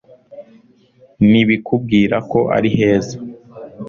nibikubwira ko ari heza